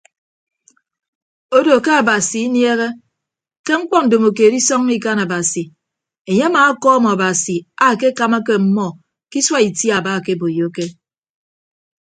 Odo ke abasi iniehe ke mkpọ ndomokeed isọññọ ikan abasi enye amaakọọm abasi akekamake ọmmọ ke isua itiaba akeboiyoke.